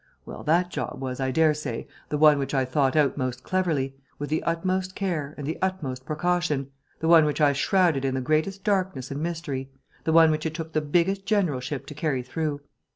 Well, that job was, I daresay, the one which I thought out most cleverly, with the utmost care and the utmost precaution, the one which I shrouded in the greatest darkness and mystery, the one which it took the biggest generalship to carry through.